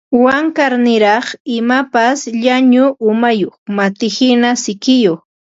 Wankarniraq, imapas llañu umayuq matihina sikiyuq